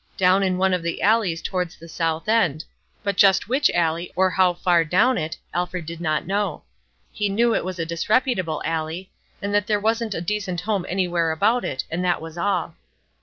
Down in one of the alleys towards the South End; but just which alley, or how far down it, Alfred did not know. He knew it was a disreputable alley, and that there wasn't a decent home anywhere about it, and that was all.